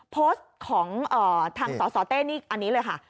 โพสต์ของทางสสเต้นี่อันนี้เลยค่ะ